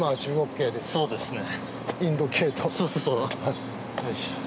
そうですね。